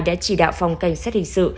đã chỉ đạo phòng cảnh sát hình sự